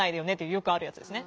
よくあるやつですね。